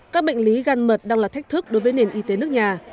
các bệnh lý gan mật đang là thách thức đối với nền y tế nước nhà